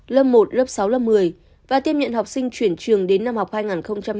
lớp một lớp sáu lớp một mươi và tiếp nhận học sinh chuyển trường đến năm học hai nghìn hai mươi hai nghìn hai mươi một